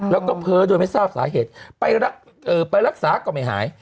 แล้วก็เพ้อโดยไม่ทราบสาเหตุไปรักษาก็ไม่หาย